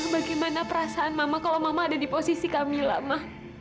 ma bagaimana perasaan mama kalau mama ada di posisi kamilah ma